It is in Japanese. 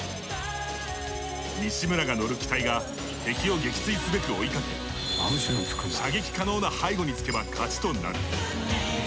西村が乗る機体が敵を撃墜すべく追いかけ射撃可能な背後につけば勝ちとなる。